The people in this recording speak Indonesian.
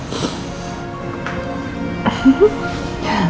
sebentar ya sayang